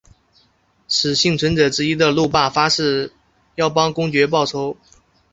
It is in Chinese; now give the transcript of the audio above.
使幸存者之一的路霸发誓要帮公爵报仇。